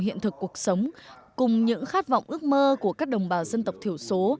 hiện thực cuộc sống cùng những khát vọng ước mơ của các đồng bào dân tộc thiểu số